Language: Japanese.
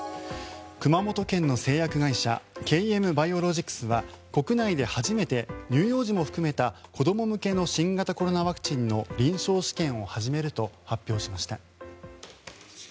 熊本県の製薬会社ＫＭバイオロジクスは国内で初めて乳幼児も含めた子ども向けの新型コロナワクチンの臨床試験を始めると発表しました。